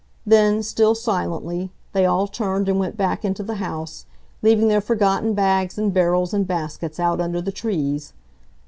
Then, still silently, they all turned and went back into the house, leaving their forgotten bags and barrels and baskets out under the trees.